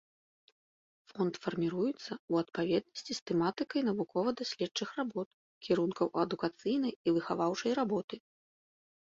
Фонд фарміруецца ў адпаведнасці з тэматыкай навукова-даследчых работ, кірункаў адукацыйнай і выхаваўчай работы.